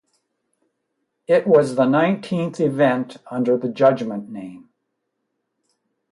It was the nineteenth event under the Judgement name.